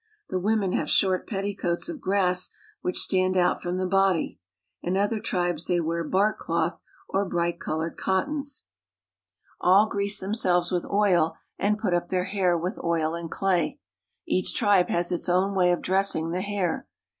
The women have short petticoats of grass, which I H)i|tand out from the body ; in other tribes they wear bark I ^Billoth or bright colored cottons. I ^K CAKP.AI'RICA— 15 I / 236 AFRICA All grease themselves with oil, and put up their hair with oil and clay. Each tribe has its own way of dressing the hair.